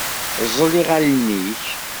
Ẓẓel iɣallen-ik.